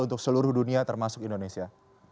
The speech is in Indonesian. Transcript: untuk seluruh dunia termasuk indonesia